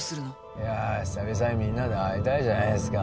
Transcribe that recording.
いや久々にみんなで会いたいじゃないですか。